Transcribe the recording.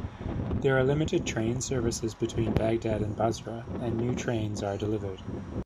There are limited train services between Bagdad and Basra and new trains are delivered.